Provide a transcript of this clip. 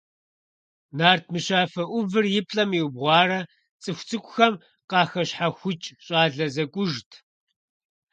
Нарт мыщафэ Ӏувыр и плӀэм иубгъуарэ цӀыху цӀыкӀухэм къахэщхьэхукӀ щӀалэ зэкӀужт.